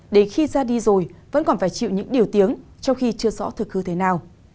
để khi ra đi rồi vẫn còn phải chịu những điều tiếng trong khi chưa rõ thực hư thế nào